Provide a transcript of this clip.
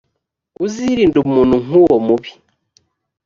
uzirinde umuntu nk’uwo mubi.